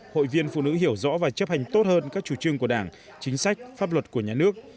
hội viên phụ nữ hiểu rõ và chấp hành tốt hơn các chủ trương của đảng chính sách pháp luật của nhà nước